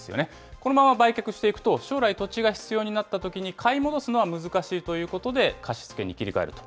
このまま売却していくと、将来、土地が必要になったときに買い戻すのは難しいということで、貸し付けに切り替えると。